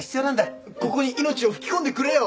ここに命を吹き込んでくれよ！